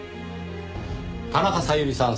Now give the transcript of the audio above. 田中小百合さん